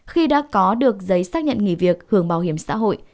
khi đã có được giấy xác nhận nghỉ việc hưởng bảo hiểm xã hội